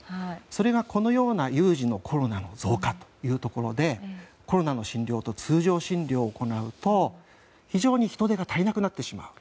それがこのような有事のコロナの増加というところでコロナの診療と通常診療を行うと非常に人手が足りなくなってしまう。